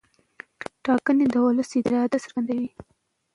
ټاکنې د ولس اراده څرګندوي